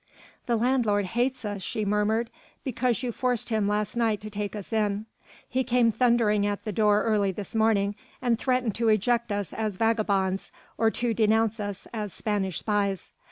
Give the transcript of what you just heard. "The landlord hates us," she murmured, "because you forced him last night to take us in. He came thundering at the door early this morning, and threatened to eject us as vagabonds or to denounce us as Spanish spies.